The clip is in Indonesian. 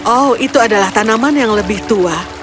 oh itu adalah tanaman yang lebih tua